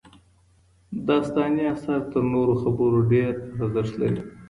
داستاني اثر تر نورو خبرو ډېر ارزښت لري.